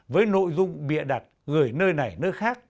với nội dung bịa đặt gửi nơi này nơi khác